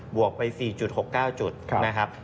วกไป๔๖๙จุดนะครับ